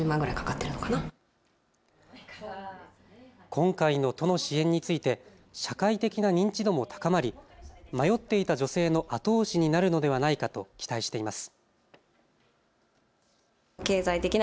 今回の都の支援について社会的な認知度も高まり迷っていた女性の後押しになるのではないかと期待しています。